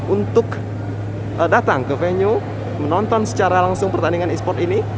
untuk datang ke venue menonton secara langsung pertandingan e sport ini